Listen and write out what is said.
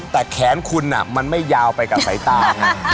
แต่แขนคุณมันไม่ยาวไปกับสายตาไง